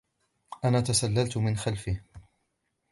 أنا تسللت من خَلفِهِ.